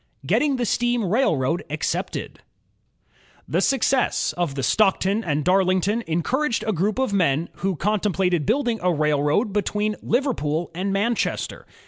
Getting the Steam Railroad Accepted The success of the Stockton and Darlington encouraged a group of men who contemplated building a railroad be tween Liverpool and Manchester.